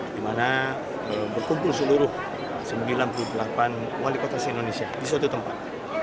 di mana berkumpul seluruh sembilan puluh delapan wali kota se indonesia di suatu tempat